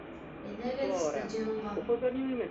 Әйҙәгеҙ стадионға!